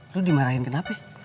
lu dimarahin kenapa